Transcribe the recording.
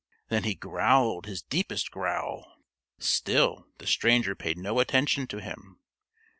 Then he growled his deepest growl. Still the stranger paid no attention to him.